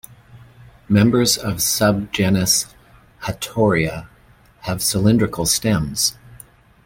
Members of subgenus "Hatiora" have cylindrical stems.